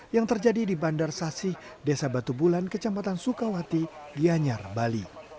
yang terjadi di bandar sasih desa batu bulan kecamatan sukawati gianyar bali